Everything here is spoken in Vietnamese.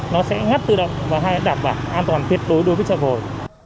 nó sẽ ngắt tự động và đảm bảo an toàn tuyệt đối đối với chợ gồi